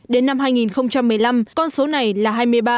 đến năm hai nghìn một mươi năm con số này là hai mươi ba